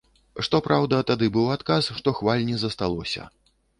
Што праўда, тады быў адказ, што хваль не засталося.